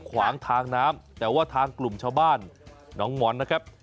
ขวางทางน้ำแต่ว่าทางกลุ่มชาวบ้านน้องหมอนนะครับ